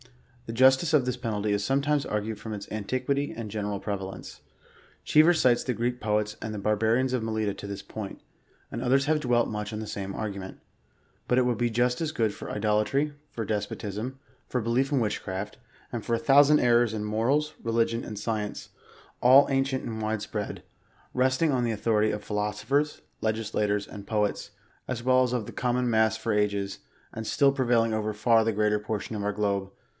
The justice of this penalty is sometimes argued from its anti quity and general prevalence. Cheever cites the Greek poets and the barbarians of Melita to this point, and others have dwelt much on the same argument. But it would be just as good for idolatry, for despotism, for belief in witchcraft, and for a thou sand errors in morals, religion, and science, all ancient and wide spread, resting on the authority of *' philosophers, legislators, and poets,'' as well as of the common mass for ages, and still prevailing over far the greater portion of our globe.